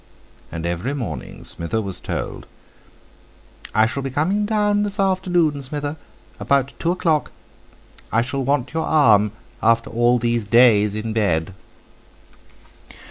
And every morning Smither was told: "I shall be coming down this afternoon, Smither, about two o'clock. I shall want your arm, after all these days in bed!"